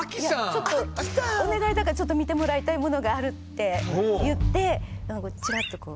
ちょっとお願いだからちょっと見てもらいたいものがあるって言ってちらっとこう。